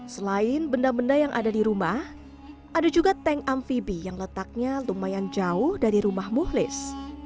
selain benda benda yang ada di rumah ada juga tank amfibi yang letaknya lumayan jauh dari rumah muhlis